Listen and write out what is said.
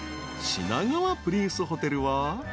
品川プリンスホテルは］